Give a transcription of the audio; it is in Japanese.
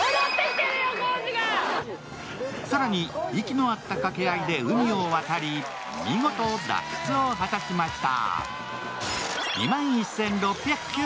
更に息の合った掛け合いで海を渡り見事脱出を果たしました。